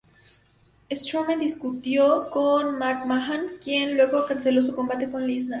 Strowman discutió con McMahon, quien luego canceló su combate con Lesnar.